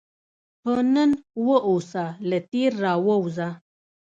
په نن واوسه، له تېر راووځه.